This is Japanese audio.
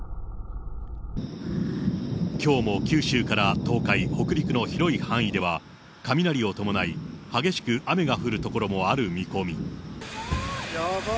きょうも九州から東海、北陸の広い範囲では、雷を伴い激しく雨が降る所もある見込み。